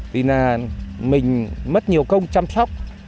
thì là mình mất nhiều công chăm sóc